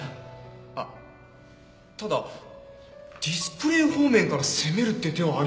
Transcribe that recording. あっただディスプレー方面から攻めるって手はありますね。